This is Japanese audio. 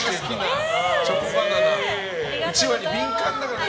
うちわに敏感だからね